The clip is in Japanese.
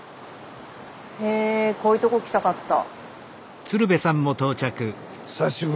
へえこういうとこ来たかった。